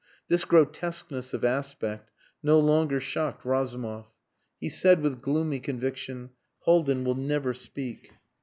This grotesqueness of aspect no longer shocked Razumov. He said with gloomy conviction "Haldin will never speak."